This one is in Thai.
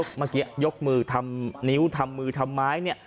เมื่อกี้ยกมือทำนิ้วทำมือทำไม้เนี่ย